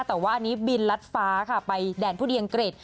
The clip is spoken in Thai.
แต่ว่าอันนี้บินรัดฟ้าค่ะไปแดนผู้ดีอังกฤษ